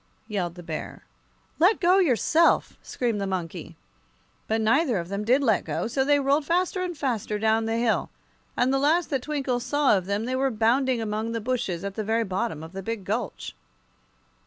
yelled the Bear. "Let go, yourself!" screamed the monkey. But neither of them did let go, so they rolled faster and faster down the hill, and the last that Twinkle saw of them they were bounding among the bushes at the very bottom of the big gulch.